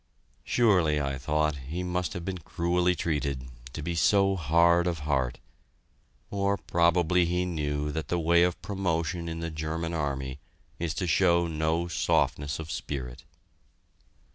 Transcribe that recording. Surely, I thought, he must have been cruelly treated, to be so hard of heart or probably he knew that the way of promotion in the German army is to show no softness of spirit.